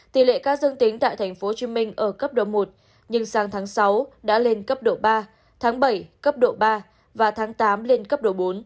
tỷ lệ ca dương tính tại tp hcm ở cấp độ một nhưng sang tháng sáu đã lên cấp độ ba tháng bảy cấp độ ba và tháng tám lên cấp độ bốn